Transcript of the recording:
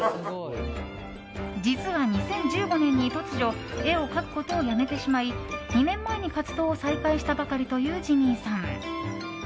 実は２０１５年に突如絵を描くことをやめてしまい２年前に活動を再開したばかりというジミーさん。